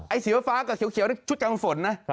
สีฟ้ากับเขียวชุดกลางฝนนะ